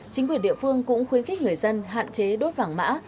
chính quyền địa phương cũng khuyến khích người dân hạn chế đốt vàng mã